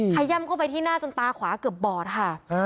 ย่ำเข้าไปที่หน้าจนตาขวาเกือบบอดค่ะ